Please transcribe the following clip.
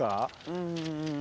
うん。